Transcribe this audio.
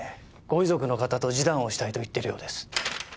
ご遺族の方と示談をしたいと言っているようです。